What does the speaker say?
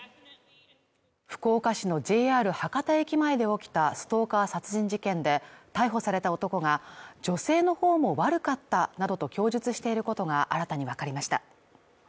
福岡市のＪＲ博多駅前で起きたストーカー殺人事件で逮捕された男が女性の方も悪かったなどと供述していることが新たに分かりました